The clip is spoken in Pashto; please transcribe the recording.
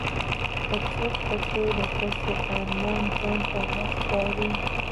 که څوک په تېرو پسې ارمان ته ځان وسپاري.